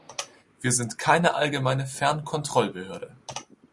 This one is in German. Wir sind keine allgemeine Fern-Kontrollbehörde.